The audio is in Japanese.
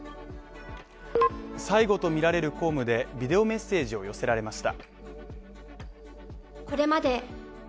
最後とみられる公務でビデオメッセージを寄せられました。